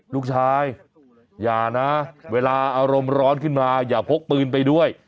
ลูกชายอย่านะเวลาอารมณ์ร้อนขึ้นมาอย่าพกปืนไปด้วย